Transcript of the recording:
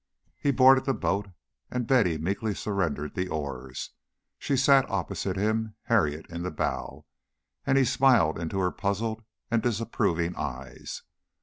He boarded the boat, and Betty meekly surrendered the oars. She sat opposite him, Harriet in the bow, and he smiled into her puzzled and disapproving eyes.